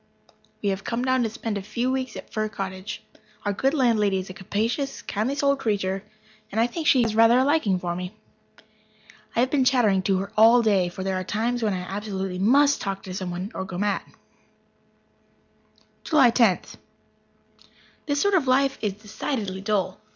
We have come down to spend a few weeks at Fir Cottage. Our good landlady is a capacious, kindly souled creature, and I think she has rather a liking for me. I have been chattering to her all day, for there are times when I absolutely must talk to someone or go mad. July Tenth. This sort of life is decidedly dull.